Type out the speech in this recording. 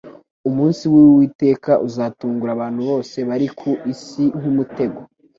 Umunsi w'Uwiteka uzatungura abantu bose bari ku isi nk'umutego,